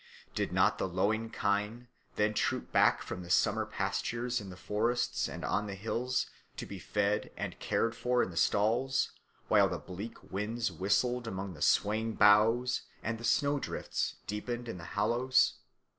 Did not the lowing kine then troop back from the summer pastures in the forests and on the hills to be fed and cared for in the stalls, while the bleak winds whistled among the swaying boughs and the snow drifts deepened in the hollows?